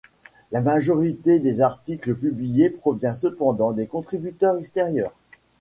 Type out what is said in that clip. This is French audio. La majorité des articles pubiés provient cependant de contributeurs extérieurs.